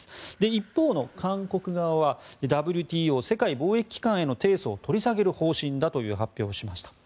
一方の韓国側はＷＴＯ・世界貿易機関への提訴を取り下げる方針だという発表をしました。